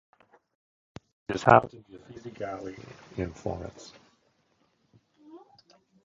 It is housed in the Uffizi Gallery in Florence.